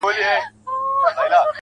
قربانو زه له پيغورو بېرېږم~